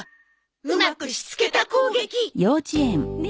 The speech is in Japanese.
「うまくしつけた」攻撃！ね？